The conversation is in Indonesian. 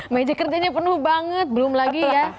meja kerjanya penuh banget belum lagi ya